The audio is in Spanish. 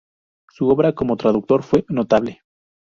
Su obra como traductor fue notable.